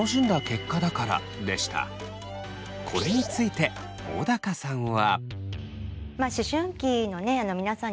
これについて小高さんは。